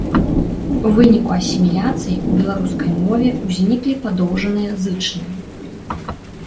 У выніку асіміляцыі ў беларускай мове узніклі падоўжаныя зычныя.